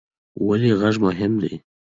ولې غږ مهم دی؟